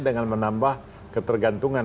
dengan menambah ketergantungan